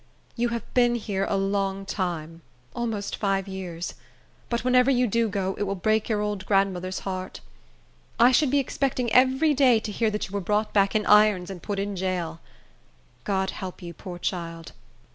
"You have been here a long time; almost five years; but whenever you do go, it will break your old grandmother's heart. I should be expecting every day to hear that you were brought back in irons and put in jail. God help you, poor child!